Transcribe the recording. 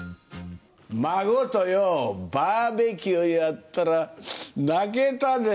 孫とよ、バーベキューやったら、泣けたぜ。